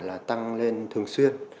là tăng lên thường xuyên